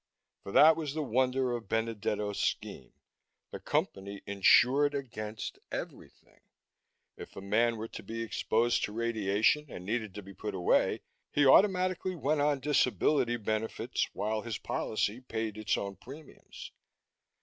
For that was the wonder of Benedetto's scheme: The Company insured against everything. If a man were to be exposed to radiation and needed to be put away, he automatically went on "disability" benefits, while his policy paid its own premiums!